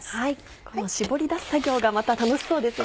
この絞り出す作業がまた楽しそうですね。